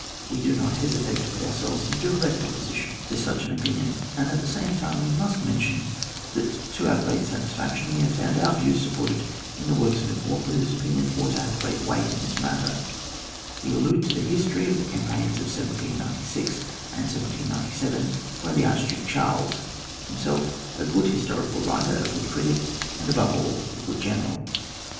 We do not hesitate to put ourselves in direct opposition to OHAP. XVI.] DEFENCE OF MOUNTAINS. 125 such an opinion, and at the same time we must mention, that to our great satisfaction, we have found our views supported in the works of an author whose opinion ought to have great weight in this matter ; we allude to the history of the campaigns of 1796 and 1797, by the Archdiike Charles, himself a good historical writer, a good critic, and above all, a good general.